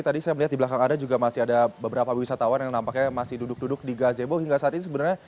tadi saya melihat di belakang anda juga masih ada beberapa wisatawan yang nampaknya masih duduk duduk di gazebo hingga saat ini sebenarnya